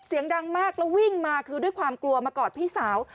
เสียงดังมากแล้ววิ่งมาคือด้วยความกลัวมากอดพี่สาว